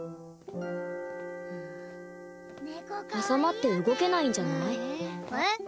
挟まって動けないんじゃない？